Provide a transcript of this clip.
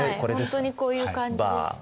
本当にこういう感じです。